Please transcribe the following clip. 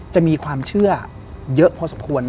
จะมีความเชื่อเยอะพอสมควร